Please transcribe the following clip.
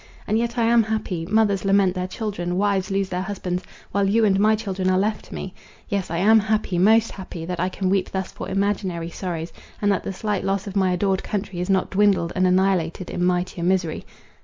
And yet I am happy; mothers lament their children, wives lose their husbands, while you and my children are left to me. Yes, I am happy, most happy, that I can weep thus for imaginary sorrows, and that the slight loss of my adored country is not dwindled and annihilated in mightier misery.